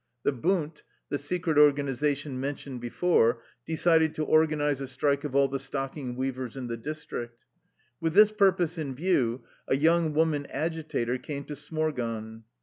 The " Bund," the secret organiza tion mentioned before, decided to organize a strike of all the stocking weavers in the district. With this purpose in view a young woman agi tator came to Smorgon.